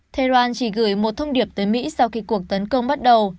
tehran chỉ gửi một thông điệp tới mỹ sau khi cuộc tấn công bắt đầu